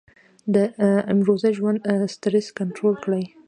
د امروزه ژوند سټرېس کنټرول کړي -